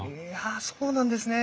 あそうなんですね。